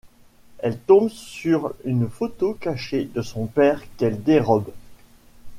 Elle tombe sur une photo cachée de son père qu'elle dérobe.